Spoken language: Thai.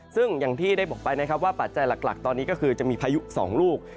ซึ่งอย่างที่ได้บอกไปนะครับว่าปัจจัยหลักตอนนี้ก็คือจะมีพายุ๒ลูก